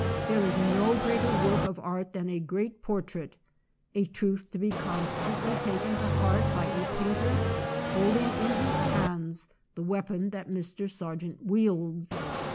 There is no greater work of art than a great portrait â a truth to be constantly taken to heart by a painter holding in his hands the weapon that Mr. Sargent wields.